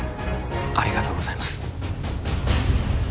ありがとうございます